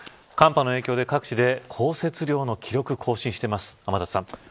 寒波の影響で各地の降雪量の記録更新しています。